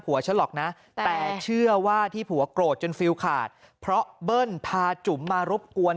ฉันหรอกนะแต่เชื่อว่าที่ผัวโกรธจนฟิลขาดเพราะเบิ้ลพาจุ๋มมารบกวน